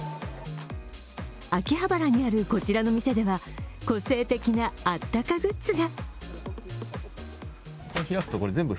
秋葉原にあるこちらの店では個性的な、あったかグッズが。